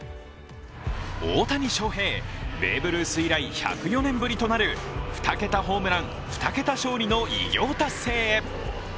大谷翔平、ベーブ・ルース以来１０４年ぶりとなる２桁ホームラン、２桁勝利の偉業達成へ。